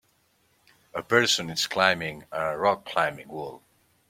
A person is climbing a rockclimbing wall.